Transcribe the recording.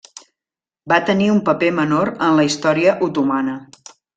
Va tenir un paper menor en la història otomana.